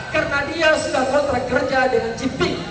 karena dia sudah telah bekerja dengan cipik